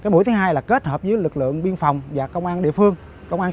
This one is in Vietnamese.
mũi hai là kết hợp với lực lượng biên phòng và công an địa phương công an xã với lực lượng gia quân